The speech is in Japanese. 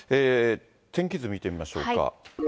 天気図見てみましょうか。